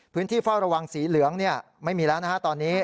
พื้นที่ฝ้าระวังสีเหลืองเนี่ยไม่มีแล้วนะฮะตอนนี้